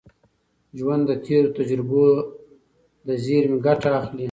ژوند د تېرو تجربو له زېرمي ګټه اخلي.